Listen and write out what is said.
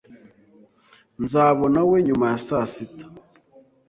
Nzabonawe nyuma ya saa sita.